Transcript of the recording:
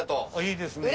いいですね。